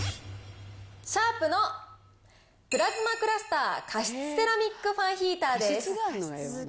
シャープのプラズマクラスター加湿セラミックファンヒーターです。